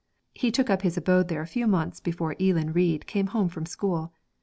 He took up his abode there a few months before Eelan Reid came home from school.